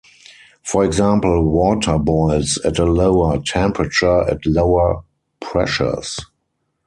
For example, water boils at a lower temperature at lower pressures.